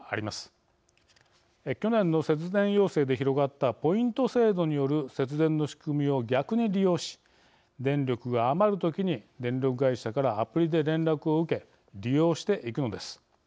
去年の節電要請で広がったポイント制度による節電の仕組みを逆に利用し電力が余る時に電力会社からアプリで連絡を受け利用していくのです。